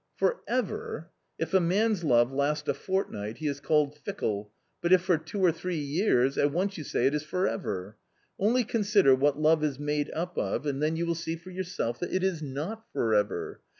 "" For ever ! if a man's love last a fortnight, he is called fickle, but if for two or three years — at once you say it is for ever ! Only consider what love is made up of and then you will see for yourself that it is not for ever